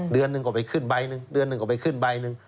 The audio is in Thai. เดือนหนึ่งก็ไปขึ้นใบหนึ่งเดือนหนึ่งก็ไปขึ้นใบหนึ่ง